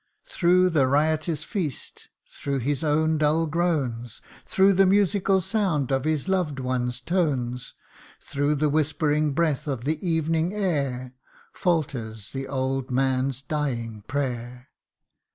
Through the riotous feast ; through his own dull groans ; Through the musical sound of his loved one's tones ; Through the whispering breath of the evening air, Faulters the old man's dying prayer.